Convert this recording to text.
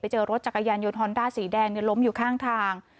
เจอรถจักรยานยนต์ฮอนด้าสีแดงล้มอยู่ข้างทาง